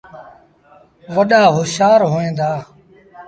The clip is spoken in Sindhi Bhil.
وڏآ هوشآر هوئيݩ دآ